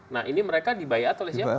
nah ini mereka dibayat oleh siapa